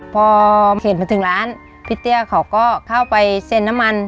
พอเห็นมาถึงร้านพี่เตี้ยเขาก็เข้าไปเซ็นน้ำมัน